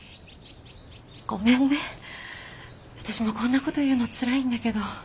ごめんね私もこんなこと言うのつらいんだけど。